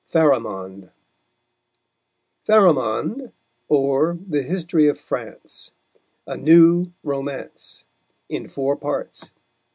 PHARAMOND PHARAMOND; or, _The History of France. A New Romance. In four parts.